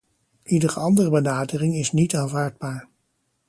Iedere andere benadering is niet aanvaardbaar.